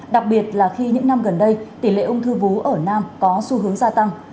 đặc biệt là khi những năm gần đây tỷ lệ ung thư vú ở nam có xu hướng gia tăng